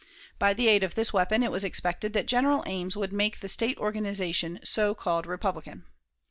By the aid of this weapon it was expected that General Ames would make the State organization so called Republican.